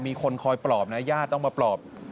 มีคนคอยปลอบนะญาติต้องมาปลอบ